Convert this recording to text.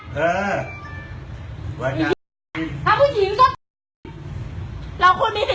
ช่วยด้วยค่ะส่วนสุด